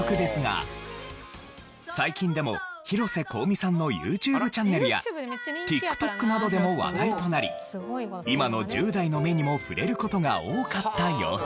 最近でも広瀬香美さんのＹｏｕＴｕｂｅチャンネルやＴｉｋＴｏｋなどでも話題となり今の１０代の目にも触れる事が多かった様子。